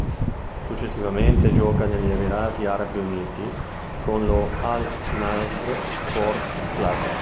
Successivamente gioca negli Emirati Arabi Uniti con lo Al-Nasr Sports Club.